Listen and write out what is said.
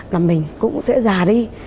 là mình cũng sẽ già đi